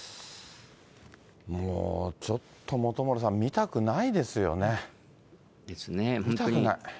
もう、ちょっと本村さん、見たくないですよね。ですね。